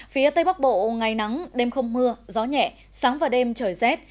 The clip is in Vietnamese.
phía tây bắc bộ ngày nắng đêm không mưa gió nhẹ sáng và đêm trời rét